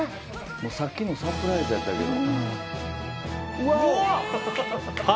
さっきのもサプライズやったけど。